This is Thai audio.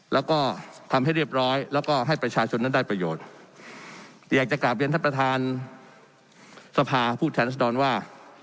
แล้วก็ทำให้เรียบร้อยแล้วก็ให้ประชาชนนั้นได้ประโยชน์อยากจะกลับเรียนท่านประธานสภาผู้แทนรัศดรว่า